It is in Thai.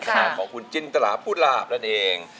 ของคุณจินตราภูลาบนั่นเอง